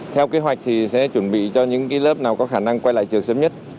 theo kế hoạch thì sẽ chuẩn bị cho những lớp nào có khả năng quay lại trường sớm nhất